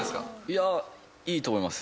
いやいいと思います。